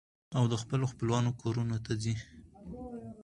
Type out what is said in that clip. او د خپلو خپلوانو کورنو ته ځي.